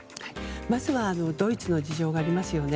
まずはドイツの事情がありますよね。